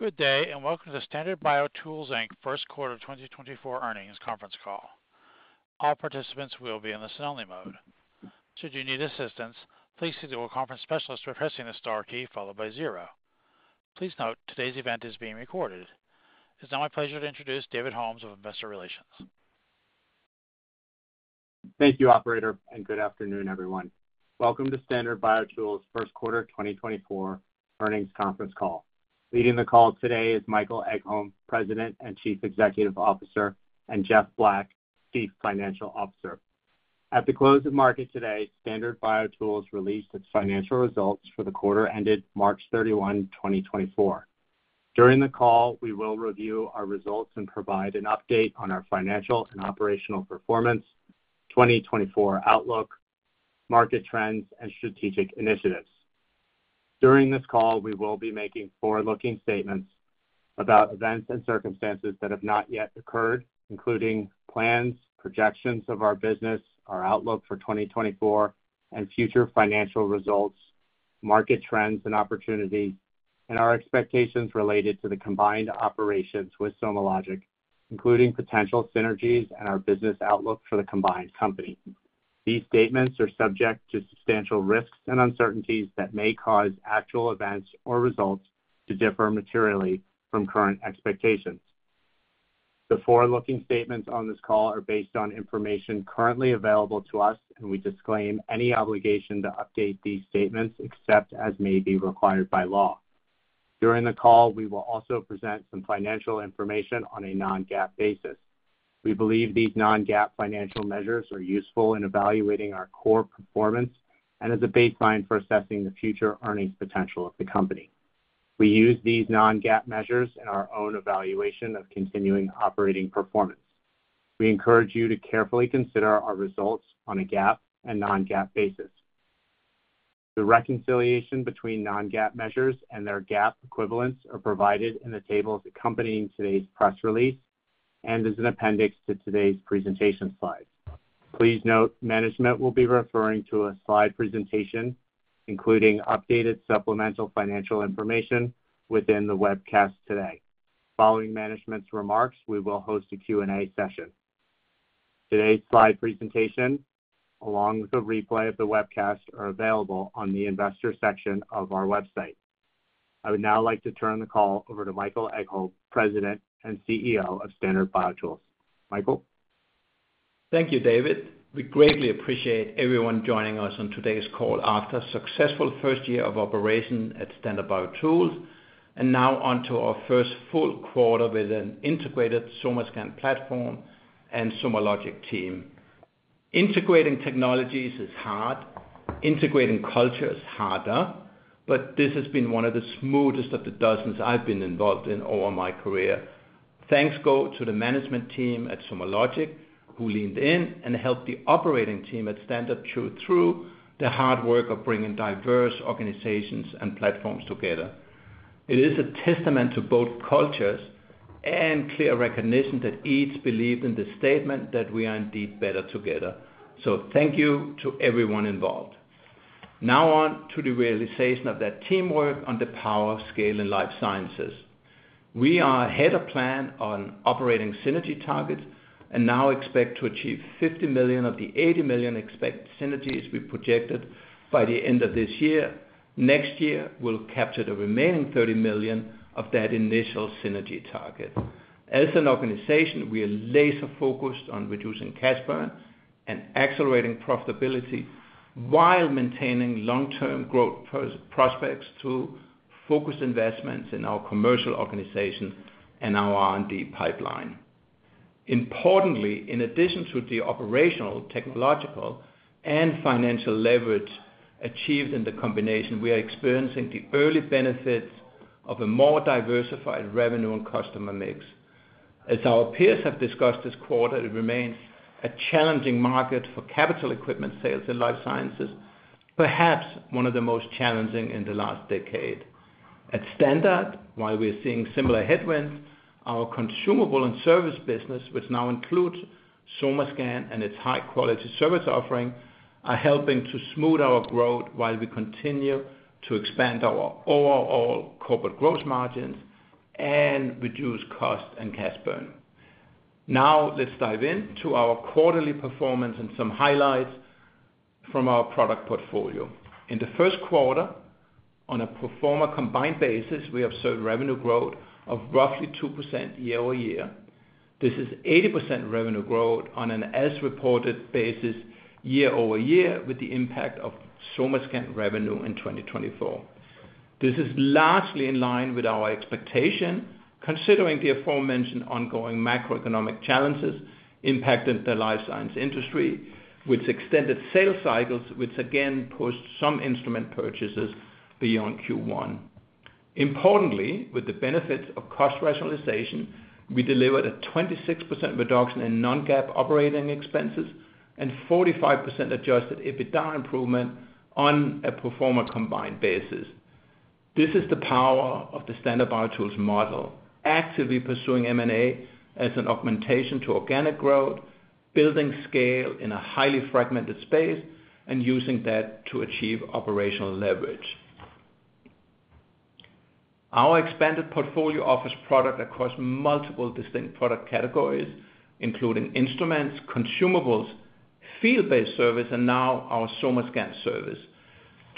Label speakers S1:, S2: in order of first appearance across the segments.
S1: Good day and welcome to the Standard BioTools Inc. first quarter 2024 earnings conference call. All participants will be in listen-only mode. Should you need assistance, please contact the conference specialist by pressing the star key followed by zero. Please note today's event is being recorded. It's now my pleasure to introduce David Holmes of Investor Relations.
S2: Thank you, operator, and good afternoon, everyone. Welcome to Standard BioTools first quarter 2024 earnings conference call. Leading the call today is Michael Egholm, President and Chief Executive Officer, and Jeff Black, Chief Financial Officer. At the close of market today, Standard BioTools released its financial results for the quarter ended March 31, 2024. During the call, we will review our results and provide an update on our financial and operational performance, 2024 outlook, market trends, and strategic initiatives. During this call, we will be making forward-looking statements about events and circumstances that have not yet occurred, including plans, projections of our business, our outlook for 2024 and future financial results, market trends and opportunities, and our expectations related to the combined operations with SomaLogic, including potential synergies and our business outlook for the combined company. These statements are subject to substantial risks and uncertainties that may cause actual events or results to differ materially from current expectations. The forward-looking statements on this call are based on information currently available to us, and we disclaim any obligation to update these statements except as may be required by law. During the call, we will also present some financial information on a Non-GAAP basis. We believe these Non-GAAP financial measures are useful in evaluating our core performance and as a baseline for assessing the future earnings potential of the company. We use these Non-GAAP measures in our own evaluation of continuing operating performance. We encourage you to carefully consider our results on a GAAP and Non-GAAP basis. The reconciliation between Non-GAAP measures and their GAAP equivalents are provided in the tables accompanying today's press release and as an appendix to today's presentation slides. Please note management will be referring to a slide presentation including updated supplemental financial information within the webcast today. Following management's remarks, we will host a Q&A session. Today's slide presentation, along with a replay of the webcast, are available on the investor section of our website. I would now like to turn the call over to Michael Egholm, President and CEO of Standard BioTools. Michael?
S3: Thank you, David. We greatly appreciate everyone joining us on today's call after a successful first year of operation at Standard BioTools and now onto our first full quarter with an integrated SomaScan platform and SomaLogic team. Integrating technologies is hard. Integrating culture is harder, but this has been one of the smoothest of the dozens I've been involved in over my career. Thanks go to the management team at SomaLogic who leaned in and helped the operating team at Standard chew through the hard work of bringing diverse organizations and platforms together. It is a testament to both cultures and clear recognition that each believed in the statement that we are indeed better together. So thank you to everyone involved. Now on to the realization of that teamwork on the power of scale in life sciences. We are ahead of plan on operating synergy targets and now expect to achieve $50 million of the $80 million expected synergies we projected by the end of this year. Next year, we'll capture the remaining $30 million of that initial synergy target. As an organization, we are laser-focused on reducing cash burn and accelerating profitability while maintaining long-term growth prospects through focused investments in our commercial organization and our R&D pipeline. Importantly, in addition to the operational, technological, and financial leverage achieved in the combination, we are experiencing the early benefits of a more diversified revenue and customer mix. As our peers have discussed this quarter, it remains a challenging market for capital equipment sales in life sciences, perhaps one of the most challenging in the last decade. At Standard, while we are seeing similar headwinds, our consumable and service business, which now includes SomaScan and its high-quality service offering, are helping to smooth our growth while we continue to expand our overall corporate growth margins and reduce cost and cash burn. Now let's dive into our quarterly performance and some highlights from our product portfolio. In the first quarter, on a pro forma combined basis, we observed revenue growth of roughly 2% year-over-year. This is 80% revenue growth on an as-reported basis year-over-year with the impact of SomaScan revenue in 2024. This is largely in line with our expectation considering the aforementioned ongoing macroeconomic challenges impacting the life science industry, which extended sales cycles, which again pushed some instrument purchases beyond Q1. Importantly, with the benefits of cost rationalization, we delivered a 26% reduction in non-GAAP operating expenses and 45% adjusted EBITDA improvement on a pro forma combined basis. This is the power of the Standard BioTools model, actively pursuing M&A as an augmentation to organic growth, building scale in a highly fragmented space, and using that to achieve operational leverage. Our expanded portfolio offers product across multiple distinct product categories, including instruments, consumables, field-based service, and now our SomaScan service.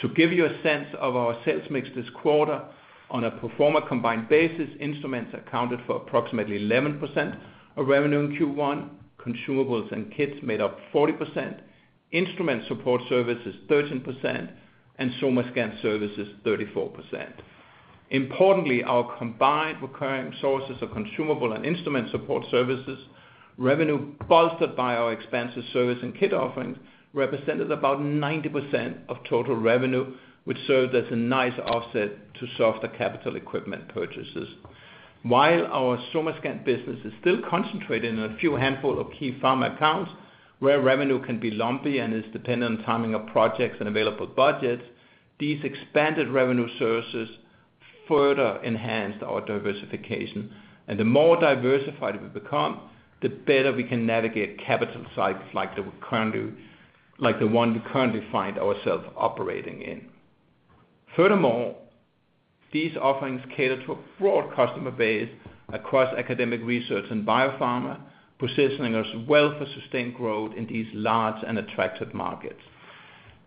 S3: To give you a sense of our sales mix this quarter, on a pro forma combined basis, instruments accounted for approximately 11% of revenue in Q1, consumables and kits made up 40%, instrument support services 13%, and SomaScan services 34%. Importantly, our combined recurring sources of consumable and instrument support services, revenue bolstered by our expansive service and kit offerings, represented about 90% of total revenue, which served as a nice offset to softer capital equipment purchases. While our SomaScan business is still concentrated in a few handful of key pharma accounts where revenue can be lumpy and is dependent on timing of projects and available budgets, these expanded revenue sources further enhanced our diversification. And the more diversified we become, the better we can navigate capital cycles like the one we currently find ourselves operating in. Furthermore, these offerings cater to a broad customer base across academic research and biopharma, positioning us well for sustained growth in these large and attractive markets.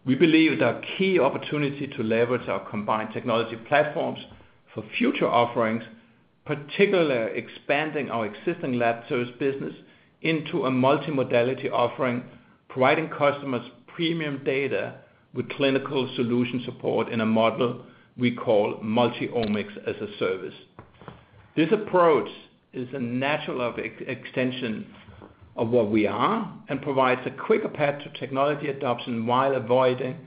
S3: We believe that our key opportunity to leverage our combined technology platforms for future offerings, particularly expanding our existing lab service business into a multimodality offering, providing customers premium data with clinical solution support in a model we call multi-omics as a service. This approach is a natural extension of what we are and provides a quicker path to technology adoption while avoiding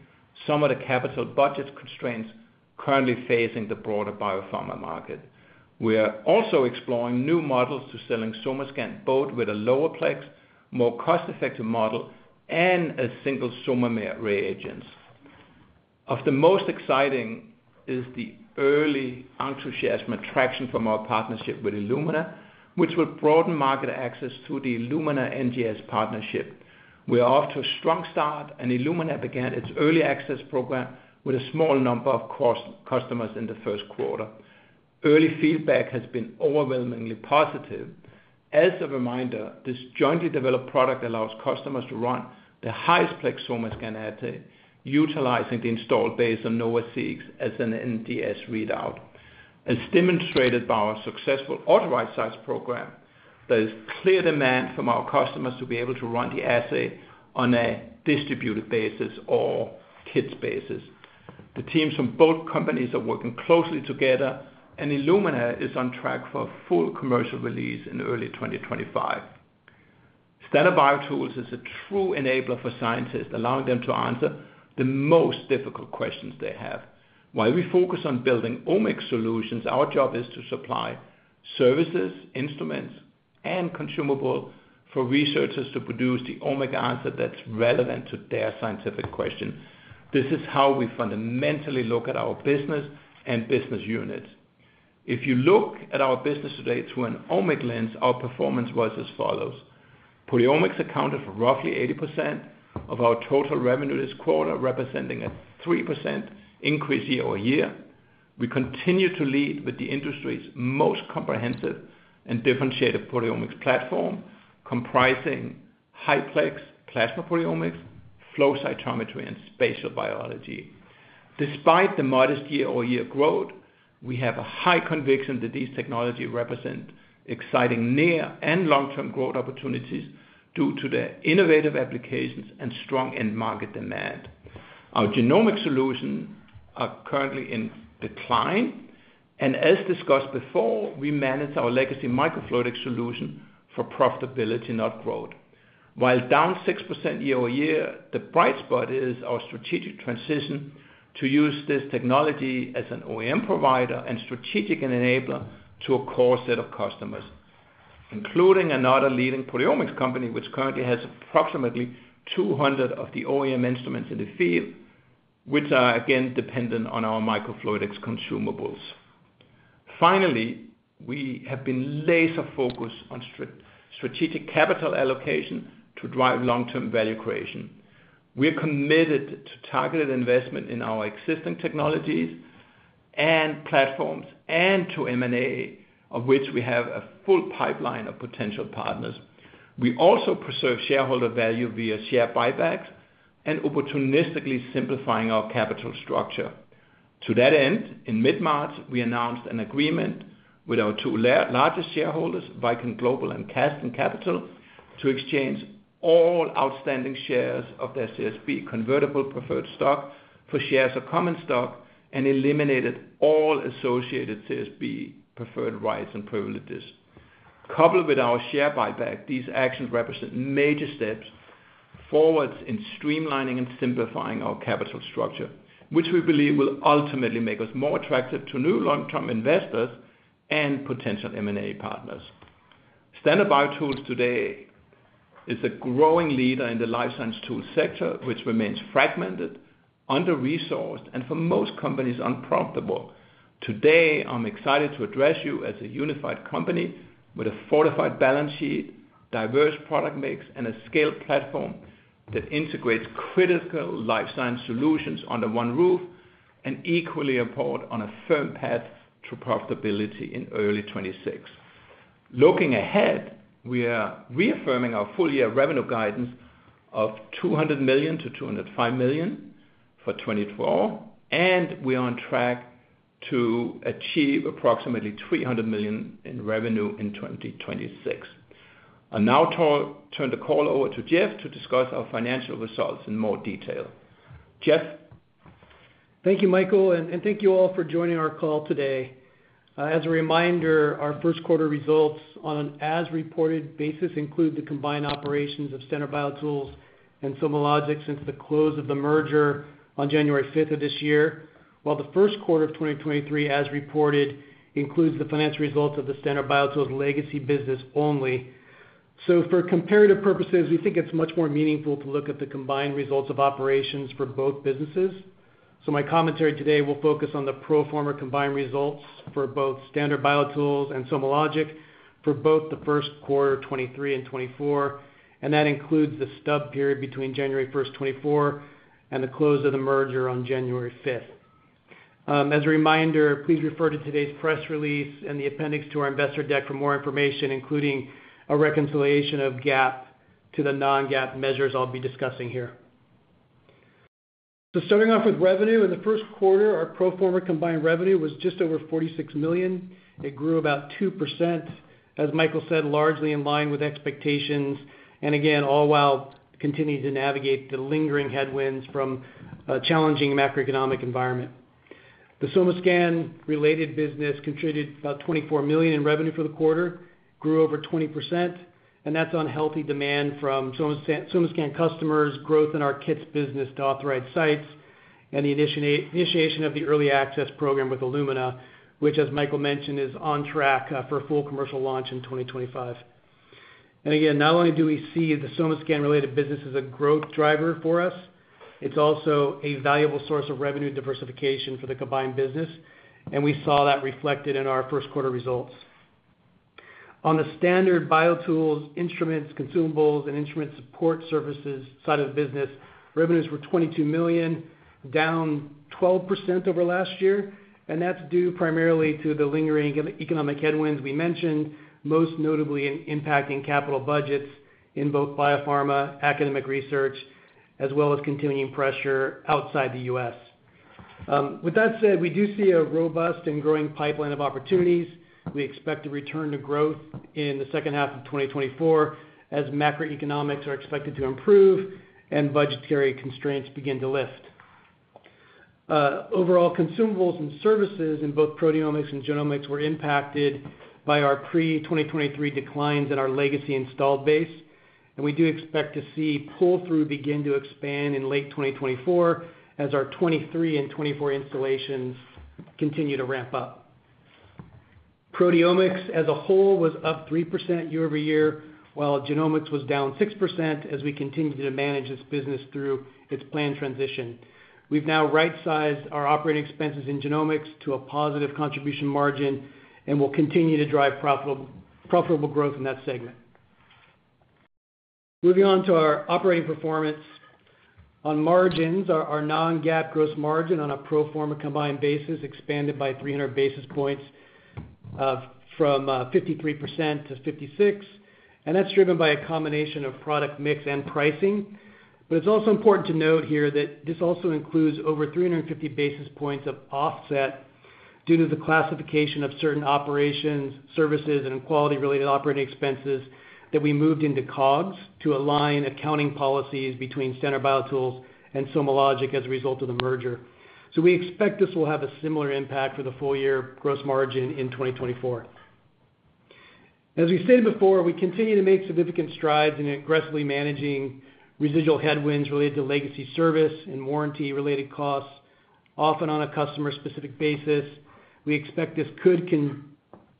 S3: some of the capital budget constraints currently facing the broader biopharma market. We are also exploring new models to selling SomaScan, both with a lower-plex, more cost-effective model, and a single SOMAmer reagents. One of the most exciting is the early enthusiasm and traction from our partnership with Illumina, which will broaden market access through the Illumina NGS partnership. We are off to a strong start, and Illumina began its early access program with a small number of customers in the first quarter. Early feedback has been overwhelmingly positive. As a reminder, this jointly developed product allows customers to run the highest-plex SomaScan assay, utilizing the installed base on NovaSeq as an NGS readout. As demonstrated by our successful Authorized Sites program, there is clear demand from our customers to be able to run the assay on a distributed basis or kits basis. The teams from both companies are working closely together, and Illumina is on track for a full commercial release in early 2025. Standard BioTools is a true enabler for scientists, allowing them to answer the most difficult questions they have. While we focus on building omics solutions, our job is to supply services, instruments, and consumables for researchers to produce the omic answer that's relevant to their scientific question. This is how we fundamentally look at our business and business units. If you look at our business today through an omics lens, our performance was as follows. Proteomics accounted for roughly 80% of our total revenue this quarter, representing a 3% increase year-over-year. We continue to lead with the industry's most comprehensive and differentiated proteomics platform, comprising high-plex plasma proteomics, flow cytometry, and spatial biology. Despite the modest year-over-year growth, we have a high conviction that these technologies represent exciting near- and long-term growth opportunities due to their innovative applications and strong end-market demand. Our genomic solutions are currently in decline, and as discussed before, we manage our legacy microfluidic solution for profitability, not growth. While down 6% year-over-year, the bright spot is our strategic transition to use this technology as an OEM provider and strategic enabler to a core set of customers, including another leading proteomics company, which currently has approximately 200 of the OEM instruments in the field, which are, again, dependent on our microfluidics consumables. Finally, we have been laser-focused on strategic capital allocation to drive long-term value creation. We are committed to targeted investment in our existing technologies and platforms and to M&A, of which we have a full pipeline of potential partners. We also preserve shareholder value via share buybacks and opportunistically simplifying our capital structure. To that end, in mid-March, we announced an agreement with our two largest shareholders, Viking Global and Casdin Capital, to exchange all outstanding shares of their Series B convertible preferred stock for shares of common stock and eliminated all associated Series B preferred rights and privileges. Coupled with our share buyback, these actions represent major steps forwards in streamlining and simplifying our capital structure, which we believe will ultimately make us more attractive to new long-term investors and potential M&A partners. Standard BioTools today is a growing leader in the life science tools sector, which remains fragmented, under-resourced, and for most companies unprofitable. Today, I'm excited to address you as a unified company with a fortified balance sheet, diverse product mix, and a scaled platform that integrates critical life science solutions under one roof and equally aboard on a firm path to profitability in early 2026. Looking ahead, we are reaffirming our full-year revenue guidance of $200 million-$205 million for 2024, and we are on track to achieve approximately $300 million in revenue in 2026. I now turn the call over to Jeff to discuss our financial results in more detail. Jeff?
S4: Thank you, Michael, and thank you all for joining our call today. As a reminder, our first quarter results on an as-reported basis include the combined operations of Standard BioTools and SomaLogic since the close of the merger on January 5th of this year. While the first quarter of 2023, as reported, includes the financial results of the Standard BioTools legacy business only, so for comparative purposes, we think it's much more meaningful to look at the combined results of operations for both businesses. So my commentary today will focus on the pro forma combined results for both Standard BioTools and SomaLogic for both the first quarter 2023 and 2024, and that includes the stub period between January 1st, 2024, and the close of the merger on January 5th. As a reminder, please refer to today's press release and the appendix to our investor deck for more information, including a reconciliation of GAAP to the non-GAAP measures I'll be discussing here. So starting off with revenue, in the first quarter, our pro forma combined revenue was just over $46 million. It grew about 2%, as Michael said, largely in line with expectations, and again, all while continuing to navigate the lingering headwinds from a challenging macroeconomic environment. The SomaScan-related business contributed about $24 million in revenue for the quarter, grew over 20%, and that's on healthy demand from SomaScan customers, growth in our kits business to Authorized Sites, and the initiation of the early access program with Illumina, which, as Michael mentioned, is on track for a full commercial launch in 2025. And again, not only do we see the SomaScan-related business as a growth driver for us, it's also a valuable source of revenue diversification for the combined business, and we saw that reflected in our first quarter results. On the Standard BioTools instruments, consumables, and instrument support services side of the business, revenues were $22 million, down 12% year-over-year, and that's due primarily to the lingering economic headwinds we mentioned, most notably impacting capital budgets in both biopharma, academic research, as well as continuing pressure outside the U.S. With that said, we do see a robust and growing pipeline of opportunities. We expect a return to growth in the second half of 2024 as macroeconomics are expected to improve and budgetary constraints begin to lift. Overall, consumables and services in both proteomics and genomics were impacted by our pre-2023 declines in our legacy installed base, and we do expect to see pull-through begin to expand in late 2024 as our 2023 and 2024 installations continue to ramp up. Proteomics as a whole was up 3% year-over-year, while genomics was down 6% as we continue to manage this business through its planned transition. We've now right-sized our operating expenses in genomics to a positive contribution margin and will continue to drive profitable growth in that segment. Moving on to our operating performance. On margins, our non-GAAP gross margin on a pro forma combined basis expanded by 300 basis points from 53% to 56%, and that's driven by a combination of product mix and pricing. But it's also important to note here that this also includes over 350 basis points of offset due to the classification of certain operations, services, and quality-related operating expenses that we moved into COGS to align accounting policies between Standard BioTools and SomaLogic as a result of the merger. So we expect this will have a similar impact for the full-year gross margin in 2024. As we stated before, we continue to make significant strides in aggressively managing residual headwinds related to legacy service and warranty-related costs, often on a customer-specific basis. We expect this could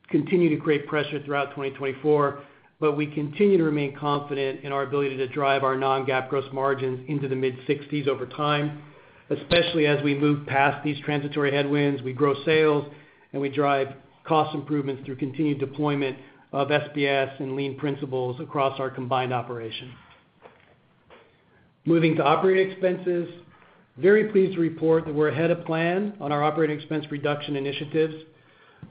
S4: continue to create pressure throughout 2024, but we continue to remain confident in our ability to drive our non-GAAP gross margins into the mid-60s over time, especially as we move past these transitory headwinds, we grow sales, and we drive cost improvements through continued deployment of SBS and lean principles across our combined operation. Moving to operating expenses, very pleased to report that we're ahead of plan on our operating expense reduction initiatives.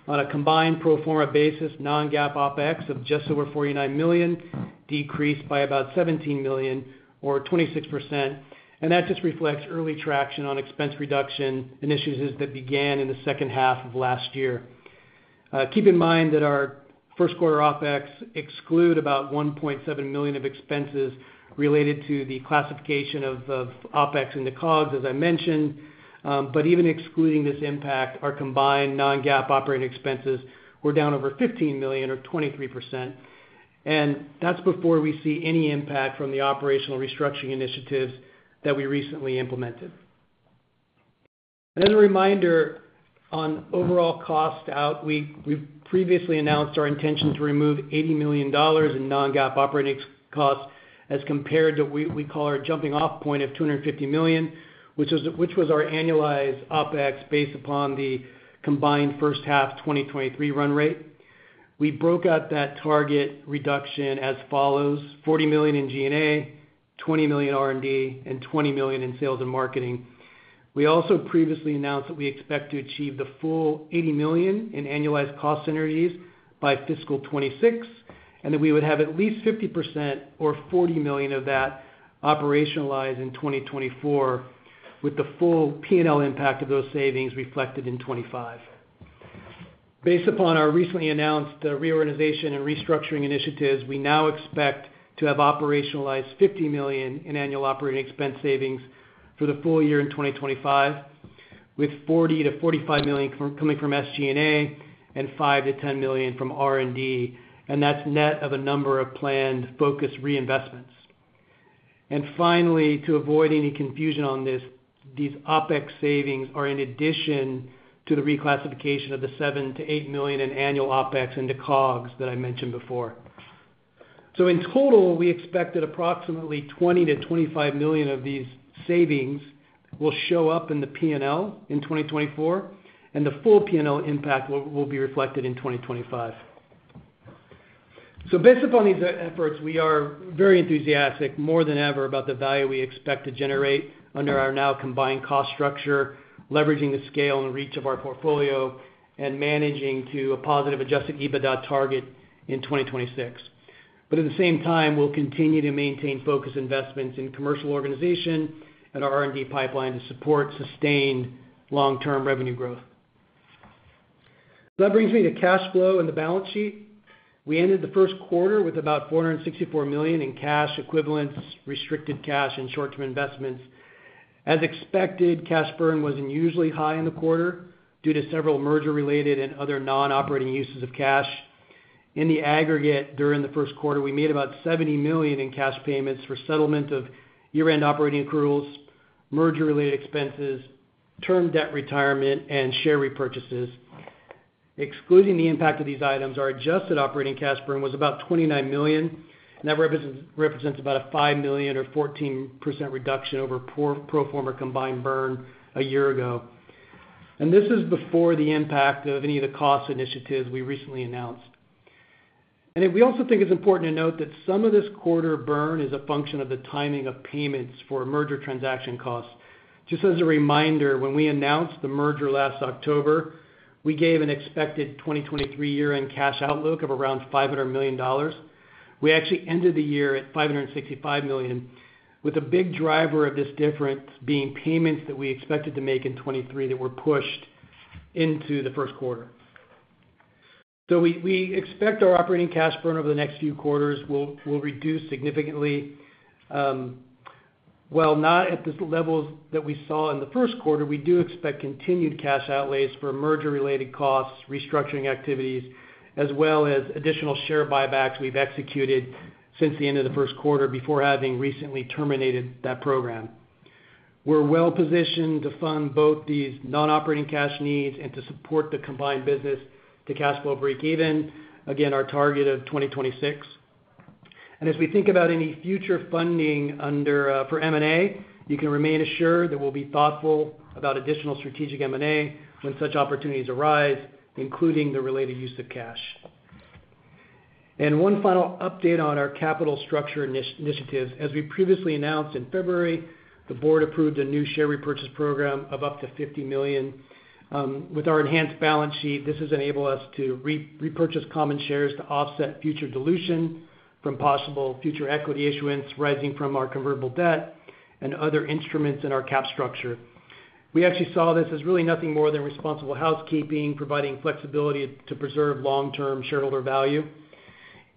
S4: On a combined pro forma basis, non-GAAP OpEx of just over $49 million decreased by about $17 million or 26%, and that just reflects early traction on expense reduction initiatives that began in the second half of last year. Keep in mind that our first quarter OpEx exclude about $1.7 million of expenses related to the classification of OpEx into COGS, as I mentioned, but even excluding this impact, our combined non-GAAP operating expenses, we're down over $15 million or 23%, and that's before we see any impact from the operational restructuring initiatives that we recently implemented. As a reminder, on overall cost out, we've previously announced our intention to remove $80 million in non-GAAP operating costs as compared to what we call our jumping-off point of $250 million, which was our annualized OpEx based upon the combined first half 2023 run rate. We broke out that target reduction as follows: $40 million in G&A, $20 million R&D, and $20 million in sales and marketing. We also previously announced that we expect to achieve the full $80 million in annualized cost synergies by fiscal 2026, and that we would have at least 50% or $40 million of that operationalized in 2024, with the full P&L impact of those savings reflected in 2025. Based upon our recently announced reorganization and restructuring initiatives, we now expect to have operationalized $50 million in annual operating expense savings for the full year in 2025, with $40 million-$45 million coming from SG&A and $5 million-$10 million from R&D, and that's net of a number of planned focused reinvestments. And finally, to avoid any confusion on this, these OpEx savings are in addition to the reclassification of the $7 million-$8 million in annual OpEx into COGS that I mentioned before. So in total, we expect that approximately $20 million-$25 million of these savings will show up in the P&L in 2024, and the full P&L impact will be reflected in 2025. So based upon these efforts, we are very enthusiastic, more than ever, about the value we expect to generate under our now combined cost structure, leveraging the scale and reach of our portfolio, and managing to a positive Adjusted EBITDA target in 2026. But at the same time, we'll continue to maintain focused investments in commercial organization and our R&D pipeline to support sustained long-term revenue growth. So that brings me to cash flow and the balance sheet. We ended the first quarter with about $464 million in cash equivalents, restricted cash, and short-term investments. As expected, cash burn was unusually high in the quarter due to several merger-related and other non-operating uses of cash. In the aggregate during the first quarter, we made about $70 million in cash payments for settlement of year-end operating accruals, merger-related expenses, term debt retirement, and share repurchases. Excluding the impact of these items, our adjusted operating cash burn was about $29 million, and that represents about a $5 million or 14% reduction over pro forma combined burn a year ago. And this is before the impact of any of the cost initiatives we recently announced. And we also think it's important to note that some of this quarter burn is a function of the timing of payments for merger transaction costs. Just as a reminder, when we announced the merger last October, we gave an expected 2023 year-end cash outlook of around $500 million. We actually ended the year at $565 million, with a big driver of this difference being payments that we expected to make in 2023 that were pushed into the first quarter. So we expect our operating cash burn over the next few quarters will reduce significantly. While not at the levels that we saw in the first quarter, we do expect continued cash outlays for merger-related costs, restructuring activities, as well as additional share buybacks we've executed since the end of the first quarter before having recently terminated that program. We're well-positioned to fund both these non-operating cash needs and to support the combined business to cash flow break even, again, our target of 2026. As we think about any future funding for M&A, you can remain assured that we'll be thoughtful about additional strategic M&A when such opportunities arise, including the related use of cash. One final update on our capital structure initiatives. As we previously announced in February, the board approved a new share repurchase program of up to $50 million. With our enhanced balance sheet, this has enabled us to repurchase common shares to offset future dilution from possible future equity issuance rising from our convertible debt and other instruments in our cap structure. We actually saw this as really nothing more than responsible housekeeping, providing flexibility to preserve long-term shareholder value,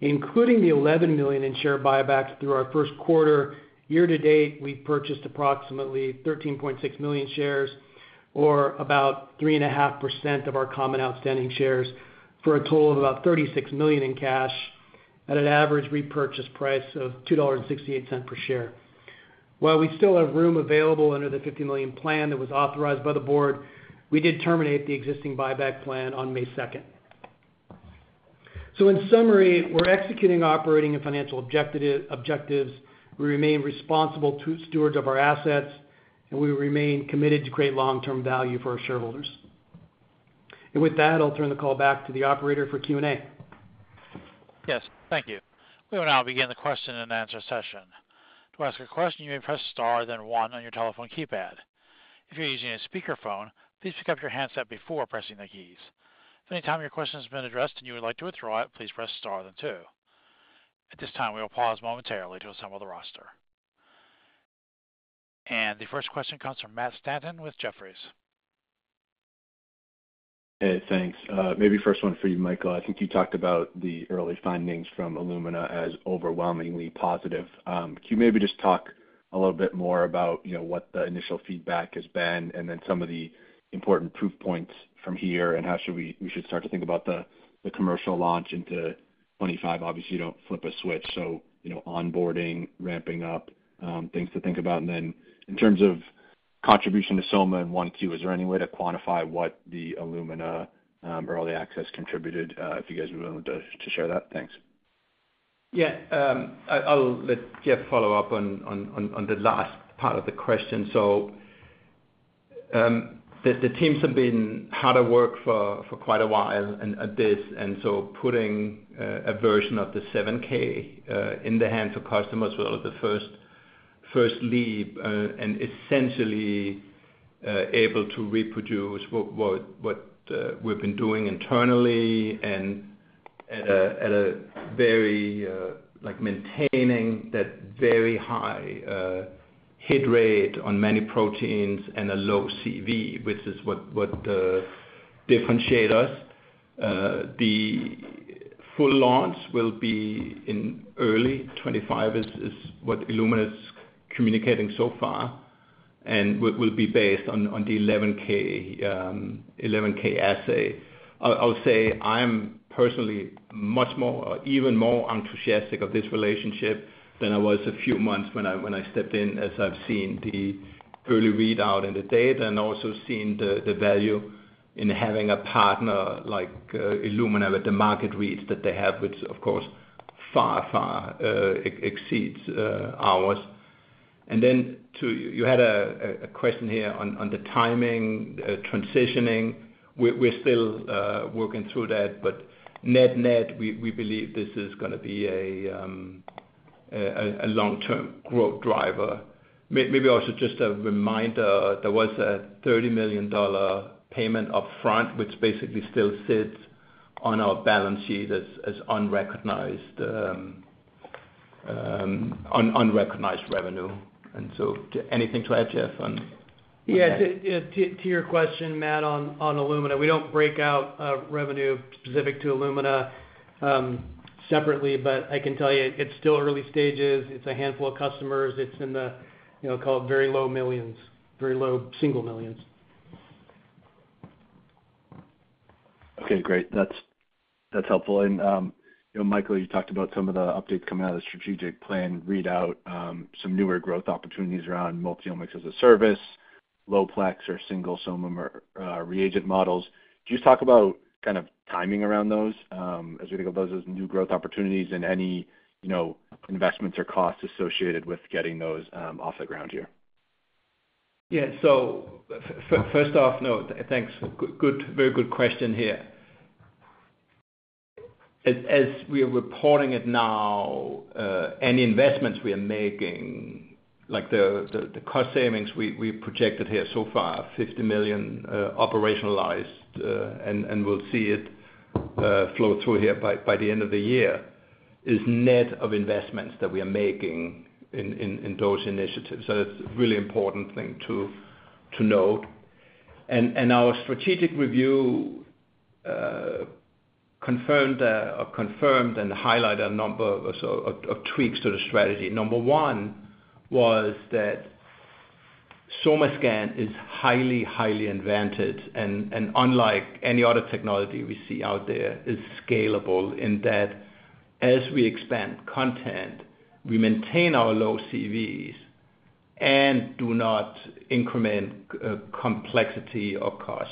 S4: including the $11 million in share buybacks through our first quarter. Year to date, we've purchased approximately 13.6 million shares, or about 3.5% of our common outstanding shares, for a total of about $36 million in cash at an average repurchase price of $2.68 per share. While we still have room available under the $50 million plan that was authorized by the board, we did terminate the existing buyback plan on May 2nd. In summary, we're executing operating and financial objectives. We remain responsible stewards of our assets, and we remain committed to create long-term value for our shareholders. And with that, I'll turn the call back to the operator for Q&A.
S1: Yes. Thank you. We will now begin the question-and-answer session. To ask a question, you may press star then one on your telephone keypad. If you're using a speakerphone, please pick up your handset before pressing the keys. If at any time your question has been addressed and you would like to withdraw it, please press star then two. At this time, we will pause momentarily to assemble the roster. And the first question comes from Matt Stanton with Jefferies.
S5: Hey, thanks. Maybe first one for you, Michael. I think you talked about the early findings from Illumina as overwhelmingly positive. Can you maybe just talk a little bit more about what the initial feedback has been and then some of the important proof points from here and how we should start to think about the commercial launch into 2025? Obviously, you don't flip a switch, so onboarding, ramping up, things to think about. And then in terms of contribution to Soma and Olink, is there any way to quantify what the Illumina early access contributed? If you guys would be willing to share that, thanks.
S3: Yeah. I'll let Jeff follow up on the last part of the question. So the teams have been hard at work for quite a while at this, and so putting a version of the 7K in the hands of customers was the first leap and essentially able to reproduce what we've been doing internally and at a very maintaining that very high hit rate on many proteins and a low CV, which is what differentiate us. The full launch will be in early 2025 is what Illumina's communicating so far and will be based on the 11K assay. I'll say I'm personally much more or even more enthusiastic of this relationship than I was a few months when I stepped in, as I've seen the early readout and the data and also seen the value in having a partner like Illumina with the market reach that they have, which, of course, far, far exceeds ours. Then you had a question here on the timing, transitioning. We're still working through that, but net, net, we believe this is going to be a long-term growth driver. Maybe also just a reminder, there was a $30 million payment upfront, which basically still sits on our balance sheet as unrecognized revenue. And so anything to add, Jeff, on?
S4: Yeah. To your question, Matt, on Illumina, we don't break out revenue specific to Illumina separately, but I can tell you it's still early stages. It's a handful of customers. It's in the, I'll call it, very low millions, very low single millions.
S5: Okay. Great. That's helpful. And Michael, you talked about some of the updates coming out of the strategic plan readout, some newer growth opportunities around multi-omics as a service, low-plex or single Soma reagent models. Can you just talk about kind of timing around those as we think of those as new growth opportunities and any investments or costs associated with getting those off the ground here?
S3: Yeah. So first off, no, thanks. Very good question here. As we are reporting it now, any investments we are making, the cost savings we projected here so far, $50 million operationalized, and we'll see it flow through here by the end of the year, is net of investments that we are making in those initiatives. So that's a really important thing to note. Our strategic review confirmed or confirmed and highlighted a number of tweaks to the strategy. Number one was that SomaScan is highly, highly advanced and, unlike any other technology we see out there, is scalable in that as we expand content, we maintain our low CVs and do not increment complexity or cost.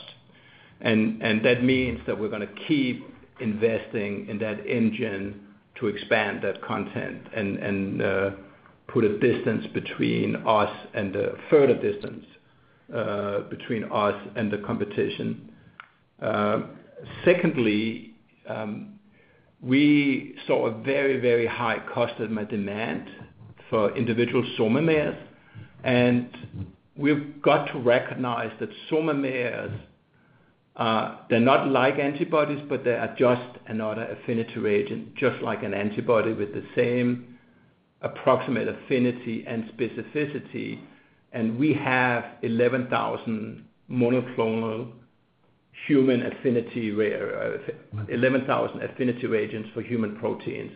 S3: And that means that we're going to keep investing in that engine to expand that content and put a distance between us and a further distance between us and the competition. Secondly, we saw a very, very high cost demand for individual SOMAmers, and we've got to recognize that SOMAmers, they're not like antibodies, but they are just another affinity reagent, just like an antibody with the same approximate affinity and specificity. And we have 11,000 monoclonal human affinity reagents for human proteins.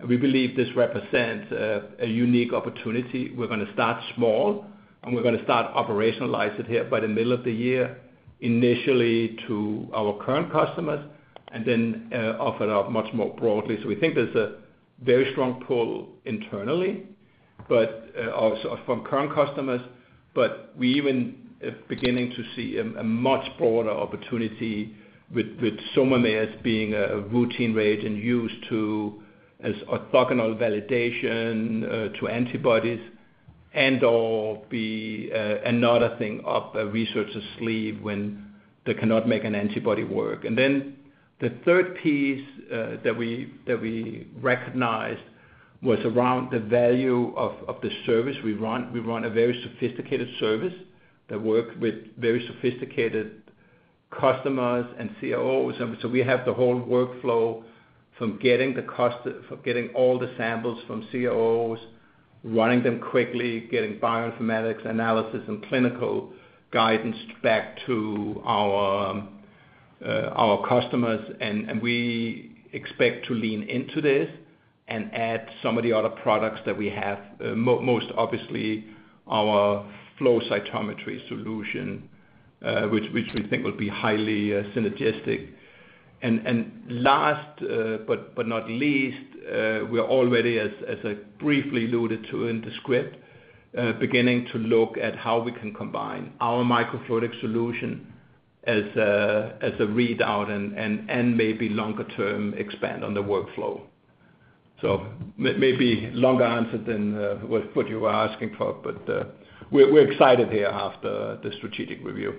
S3: And we believe this represents a unique opportunity. We're going to start small, and we're going to start operationalizing it here by the middle of the year, initially to our current customers, and then offer it out much more broadly. So we think there's a very strong pull internally from current customers, but we're even beginning to see a much broader opportunity with SOMAmers being a routine reagent used as orthogonal validation to antibodies and/or be another thing up a researcher's sleeve when they cannot make an antibody work. And then the third piece that we recognized was around the value of the service. We run a very sophisticated service that works with very sophisticated customers and CROs. So we have the whole workflow from getting all the samples from COOs, running them quickly, getting bioinformatics analysis and clinical guidance back to our customers. And we expect to lean into this and add some of the other products that we have, most obviously our flow cytometry solution, which we think will be highly synergistic. And last but not least, we're already, as I briefly alluded to in the script, beginning to look at how we can combine our microfluidic solution as a readout and maybe longer-term expand on the workflow. So maybe longer answer than what you were asking for, but we're excited here after the strategic review.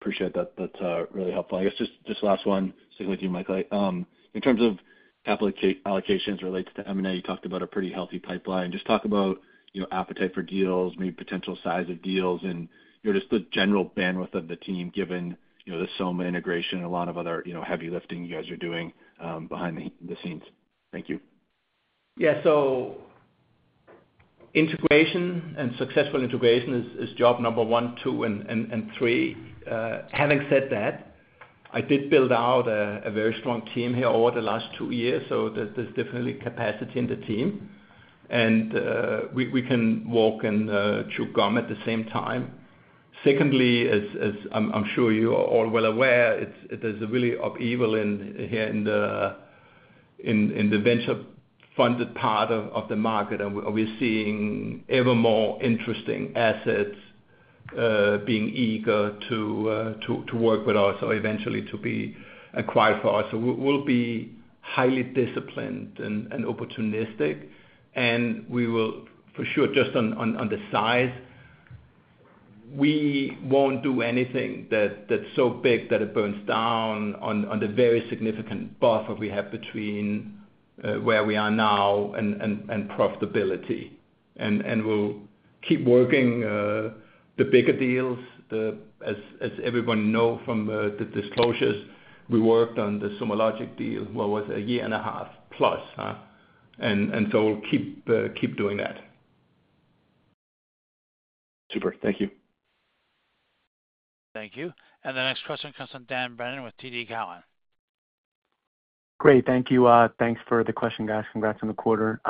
S5: Appreciate that. That's really helpful. I guess just last one, sticking with you, Michael. In terms of applications. Allocations relates to M&A, you talked about a pretty healthy pipeline. Just talk about appetite for deals, maybe potential size of deals, and just the general bandwidth of the team given the Soma integration and a lot of other heavy lifting you guys are doing behind the scenes. Thank you.
S3: Yeah. So integration and successful integration is job number one, two, and three. Having said that, I did build out a very strong team here over the last two years, so there's definitely capacity in the team, and we can walk and chew gum at the same time. Secondly, as I'm sure you are all well aware, there's a really upheaval here in the venture-funded part of the market, and we're seeing ever more interesting assets being eager to work with us or eventually to be acquired for us. So we'll be highly disciplined and opportunistic. And we will, for sure, just on the size, we won't do anything that's so big that it burns down on the very significant buffer we have between where we are now and profitability. And we'll keep working the bigger deals. As everyone knows from the disclosures, we worked on the SomaLogic deal for, what was it, a year and a half plus, huh? And so we'll keep doing that.
S1: Super. Thank you. Thank you. And the next question comes from Dan Brennan with TD Cowen.
S6: Great. Thank you. Thanks for the question, guys. Congrats on the quarter.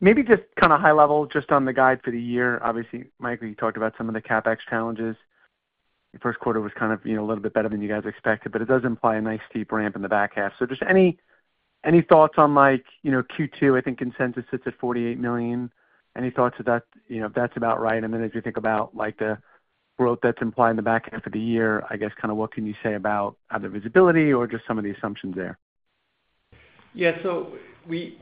S6: Maybe just kind of high level, just on the guide for the year. Obviously, Michael, you talked about some of the CapEx challenges. Your first quarter was kind of a little bit better than you guys expected, but it does imply a nice steep ramp in the back half. So just any thoughts on Q2? I think consensus sits at $48 million. Any thoughts if that's about right? And then as we think about the growth that's implied in the back half of the year, I guess, kind of what can you say about either visibility or just some of the assumptions there?
S3: Yeah. So we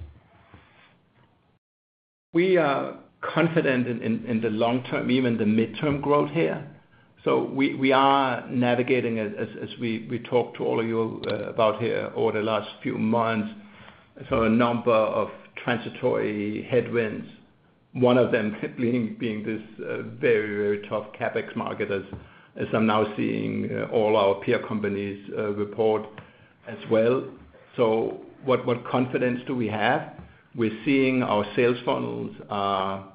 S3: are confident in the long-term, even the midterm growth here. So we are navigating, as we talked to all of you about here over the last few months, sort of a number of transitory headwinds, one of them being this very, very tough CapEx market as I'm now seeing all our peer companies report as well. So what confidence do we have? We're seeing our sales funnels are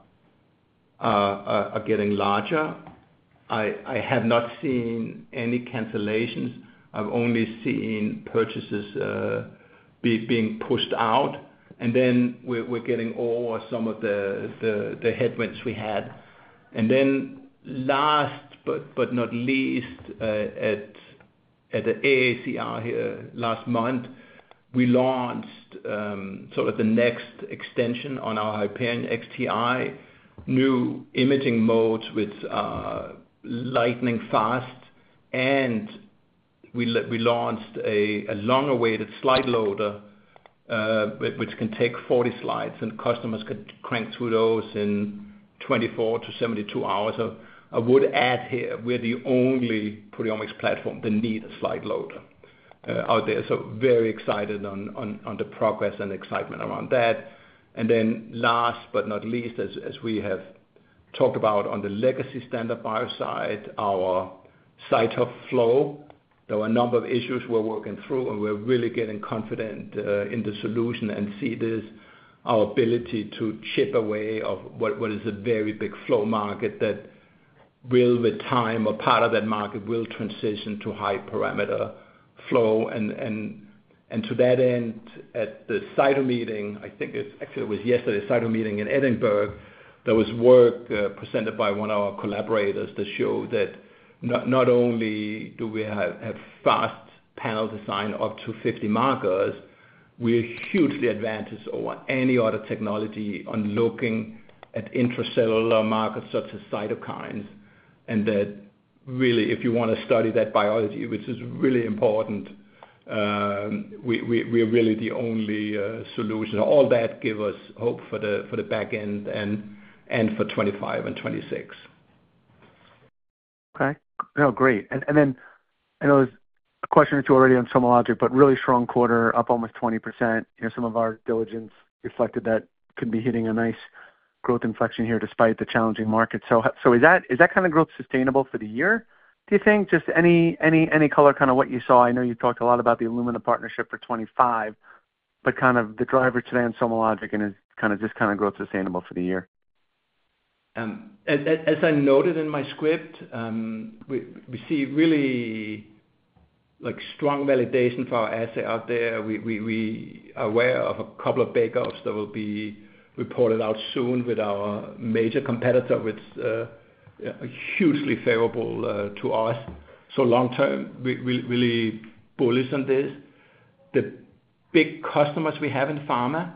S3: getting larger. I have not seen any cancellations. I've only seen purchases being pushed out. And then we're getting over some of the headwinds we had. And then last but not least, at the AACR here last month, we launched sort of the next extension on our Hyperion XTi, new imaging modes which are lightning fast. And we launched a long-awaited slide loader, which can take 40 slides, and customers can crank through those in 24-72 hours. So I would add here, we're the only proteomics platform that needs a slide loader out there. So very excited on the progress and excitement around that. And then last but not least, as we have talked about on the legacy Standard BioTools side, our CyTOF flow, there were a number of issues we're working through, and we're really getting confident in the solution and see this, our ability to chip away at what is a very big flow market that will, with time, or part of that market will transition to high parameter flow. And to that end, at the CYTO meeting, I think it actually was yesterday, CYTO meeting in Edinburgh, there was work presented by one of our collaborators that showed that not only do we have fast panel design up to 50 markers, we're hugely advanced over any other technology on looking at intracellular markers such as cytokines. And that really, if you want to study that biology, which is really important, we're really the only solution. All that gives us hope for the back end and for 2025 and 2026.
S6: Okay. No, great. And then I know there's a question or two already on SomaLogic, but really strong quarter, up almost 20%. Some of our diligence reflected that could be hitting a nice growth inflection here despite the challenging market. So is that kind of growth sustainable for the year, do you think? Just any color, kind of what you saw. I know you talked a lot about the Illumina partnership for 2025, but kind of the driver today on SomaLogic and is kind of this kind of growth sustainable for the year?
S3: As I noted in my script, we see really strong validation for our asset out there. We are aware of a couple of bake-offs that will be reported out soon with our major competitor, which is hugely favorable to us. So long-term, we're really bullish on this. The big customers we have in pharma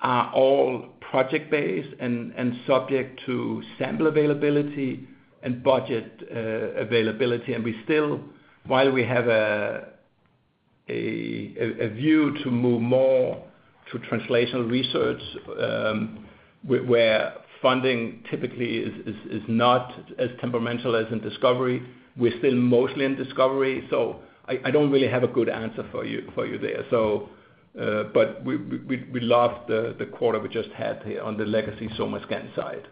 S3: are all project-based and subject to sample availability and budget availability. And while we have a view to move more to translational research where funding typically is not as temperamental as in discovery, we're still mostly in discovery. So I don't really have a good answer for you there. But we love the quarter we just had here on the legacy SomaScan side.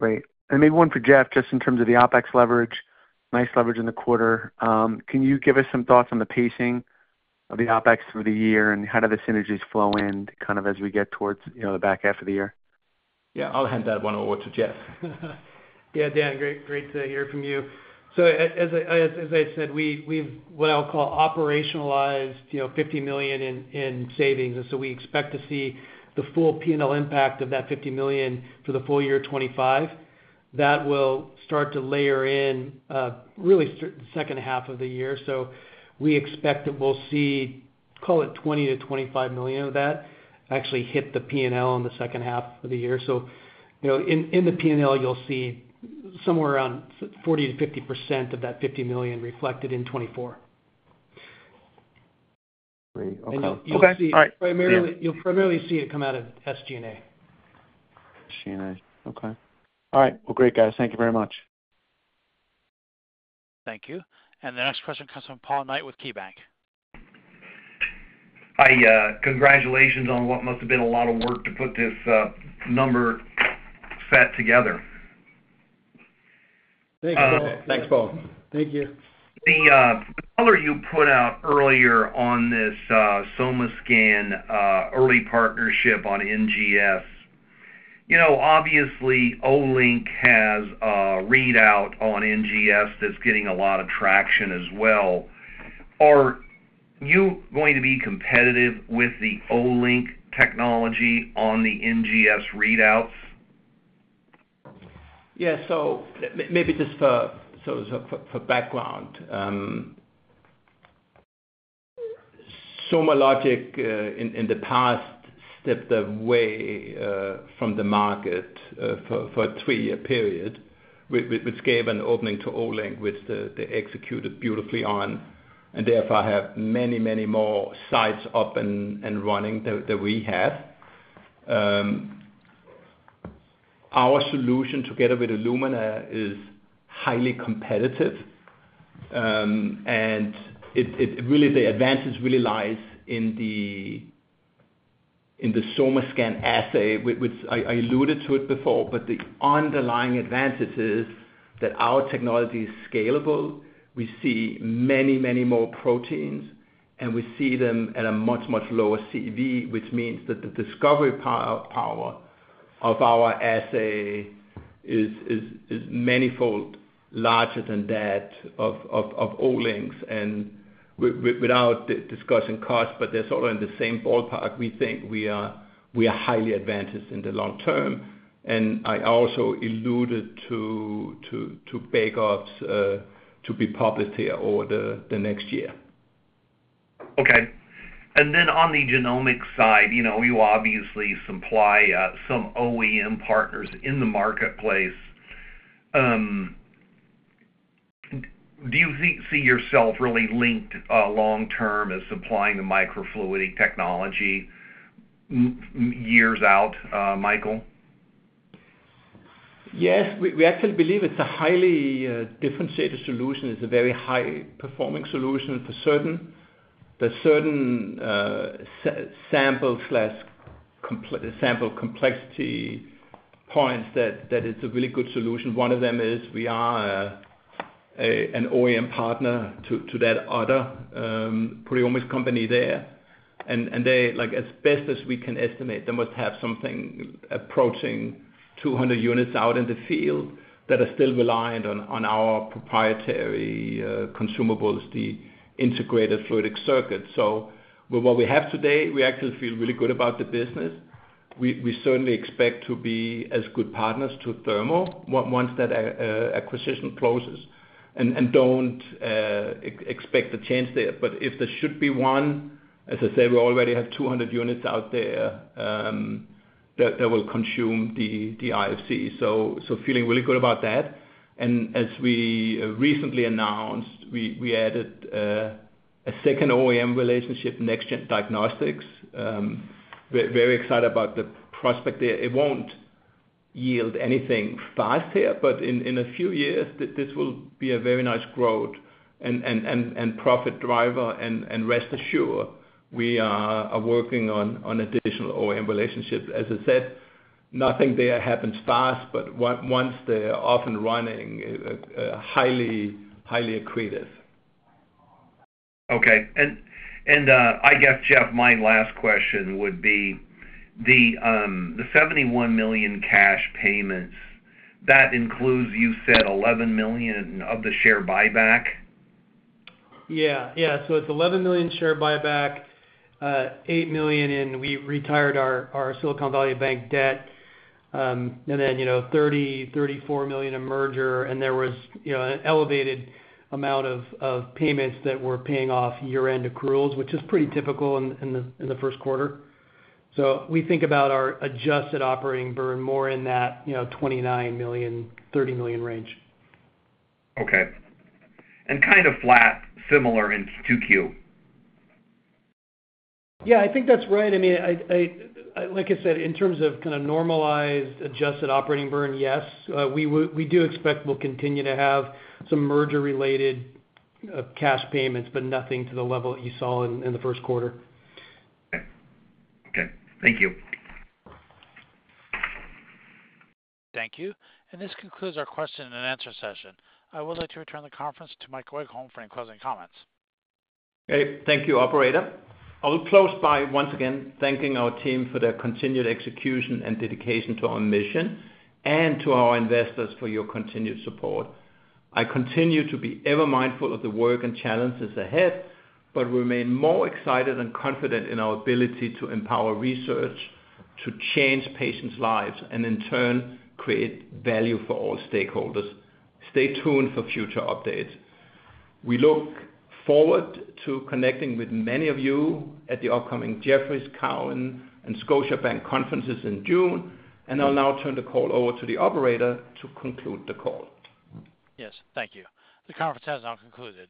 S6: Great. And maybe one for Jeff, just in terms of the OpEx leverage, nice leverage in the quarter. Can you give us some thoughts on the pacing of the OpEx through the year and how do the synergies flow in kind of as we get towards the back half of the year?
S3: Yeah. I'll hand that one over to Jeff.
S4: Yeah, Dan, great to hear from you. So as I said, we've what I'll call operationalized $50 million in savings. And so we expect to see the full P&L impact of that $50 million for the full year 2025. That will start to layer in really the second half of the year. So we expect that we'll see, call it $20 million-$25 million of that actually hit the P&L in the second half of the year. So in the P&L, you'll see somewhere around 40%-50% of that $50 million reflected in 2024. Great. Okay. All right. You'll primarily see it come out of SG&A. SG&A. Okay.
S6: All right. Well, great, guys. Thank you very much.
S1: Thank you. And the next question comes from Paul Knight with KeyBanc.
S7: Congratulations on what must have been a lot of work to put this number set together.
S3: Thanks, Paul.
S4: Thanks, Paul.
S7: Thank you. The color you put out earlier on this SomaScan early partnership on NGS, obviously, Olink has a readout on NGS that's getting a lot of traction as well. Are you going to be competitive with the Olink technology on the NGS readouts?
S3: Yeah. So maybe just for background, SomaLogic in the past stepped away from the market for a three-year period, which gave an opening to Olink, which they executed beautifully on, and therefore have many, many more sites up and running than we have. Our solution together with Illumina is highly competitive. And really, the advantage really lies in the SomaScan assay. I alluded to it before, but the underlying advantage is that our technology is scalable. We see many, many more proteins, and we see them at a much, much lower CV, which means that the discovery power of our assay is many-fold larger than that of Olink's. And without discussing cost, but they're sort of in the same ballpark, we think we are highly advantaged in the long term. And I also alluded to bake-offs to be published here over the next year.
S7: Okay. And then on the genomic side, you obviously supply some OEM partners in the marketplace. Do you see yourself really linked long-term as supplying the microfluidic technology years out, Michael?
S3: Yes. We actually believe it's a highly differentiated solution. It's a very high-performing solution for certain sample/sample complexity points that it's a really good solution. One of them is we are an OEM partner to that other proteomics company there. As best as we can estimate, they must have something approaching 200 units out in the field that are still reliant on our proprietary consumables, the Integrated Fluidic Circuit. So with what we have today, we actually feel really good about the business. We certainly expect to be as good partners to Thermo once that acquisition closes and don't expect a change there. But if there should be one, as I said, we already have 200 units out there that will consume the IFC. So feeling really good about that. And as we recently announced, we added a second OEM relationship, Next Gen Diagnostics. Very excited about the prospect there. It won't yield anything fast here, but in a few years, this will be a very nice growth and profit driver. Rest assured, we are working on additional OEM relationships. As I said, nothing there happens fast, but once they're off and running, highly accretive.
S7: Okay. And I guess, Jeff, my last question would be, the $71 million cash payments, that includes, you said, $11 million of the share buyback?
S4: Yeah. Yeah. So it's $11 million share buyback, $8 million in we retired our Silicon Valley Bank debt, and then $30 million-$34 million in merger. And there was an elevated amount of payments that were paying off year-end accruals, which is pretty typical in the first quarter. So we think about our adjusted operating burn more in that $29 million-$30 million range.
S7: Okay. And kind of flat, similar in 2Q?
S4: Yeah. I think that's right. I mean, like I said, in terms of kind of normalized adjusted operating burn, yes. We do expect we'll continue to have some merger-related cash payments, but nothing to the level that you saw in the first quarter.
S7: Okay. Okay. Thank you.
S1: Thank you. This concludes our question and answer session. I would like to return the conference to Michael Egholm for any closing comments.
S3: Great. Thank you, Operator. I will close by once again thanking our team for their continued execution and dedication to our mission and to our investors for your continued support. I continue to be ever mindful of the work and challenges ahead, but remain more excited and confident in our ability to empower research, to change patients' lives, and in turn, create value for all stakeholders. Stay tuned for future updates. We look forward to connecting with many of you at the upcoming Jefferies, TD Cowen, and Scotiabank conferences in June. I'll now turn the call over to the Operator to conclude the call.
S1: Yes. Thank you. The conference has now concluded.